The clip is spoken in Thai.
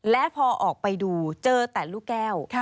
และพอออกไปดูเจอแต่ลูกแก้ว